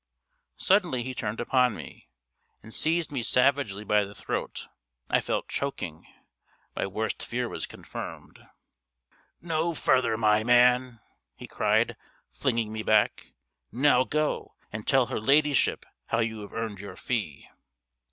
Suddenly he turned upon me, and seized me savagely by the throat. I felt choking. My worst fear was confirmed. "No further, my man," he cried, flinging me back. "Now go, and tell her ladyship how you have earned your fee!"